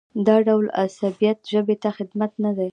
دا ډول عصبیت ژبې ته خدمت نه دی.